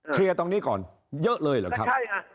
ตรงนี้ก่อนเยอะเลยเหรอครับ